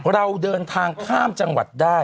เราเดินทางข้ามจังหวัดได้